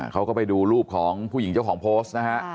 เขาก็ไปดูรูปของผู้หญิงเจ้าของโพสต์นะฮะ